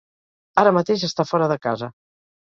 Ara mateix està fora de casa.